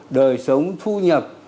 đời sống thu nhập